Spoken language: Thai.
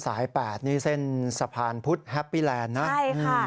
แปดนี่เส้นสะพานพุธแฮปปี้แลนด์นะใช่ค่ะ